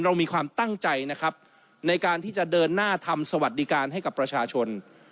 เรามีความตั้งใจนะครับในการที่จะเดินหน้าทำสวัสดิการให้กับประชาชน